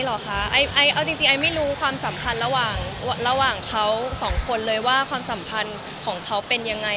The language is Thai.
เสียความรู้สึกไหมหรอคะจริงไอไม่รู้ความสำคัญระหว่างเขาสองคนเลยว่าความสำคัญของเขาเป็นยังไง